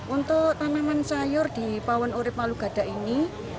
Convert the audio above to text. untuk tanaman sayur di pawan urib malugada ini